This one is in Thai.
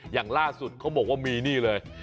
อย่างล่าสุดเขาบอกว่ามีนี่เลย